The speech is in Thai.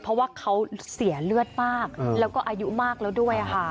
เพราะว่าเขาเสียเลือดมากแล้วก็อายุมากแล้วด้วยค่ะ